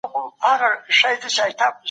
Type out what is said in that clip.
تاسو په استراحت کولو بوخت یاست.